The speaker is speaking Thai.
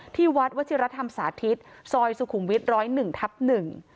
ที่วัดวชิรธรรมสาธิตซอยสุขุมวิทย์ร้อยหนึ่งทับหนึ่ง